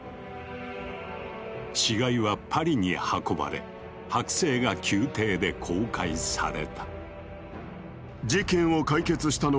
死骸はパリに運ばれ剥製が宮廷で公開された。